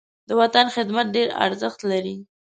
د وطن خدمت ډېر ارزښت لري.